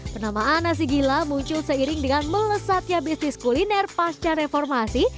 penamaan nasi gila muncul seiring dengan melesatnya bisnis kuliner pasca reformasi